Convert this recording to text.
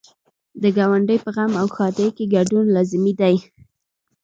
د ګاونډي په غم او ښادۍ کې ګډون لازمي دی.